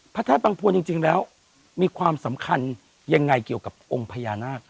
พระธาตุบังพวนจริงแล้วมีความสำคัญยังไงเกี่ยวกับองค์พญานาค